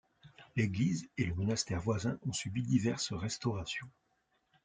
L'église et le monastère voisin ont subi diverses restaurations.